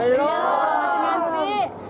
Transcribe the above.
belum masih diantri